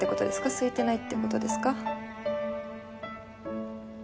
すいてないって事ですか？